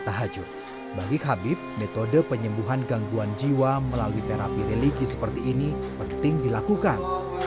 tahajud bagi khabib metode penyembuhan gangguan jiwa melalui terapi religi seperti ini penting dilakukan